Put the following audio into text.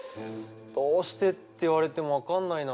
どうしてって言われても分かんないな。